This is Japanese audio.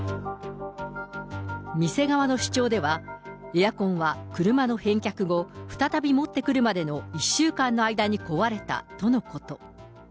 店側の主張では、エアコンは車の返却後、再び持って来るまでの１週間の間に壊れたとのこと。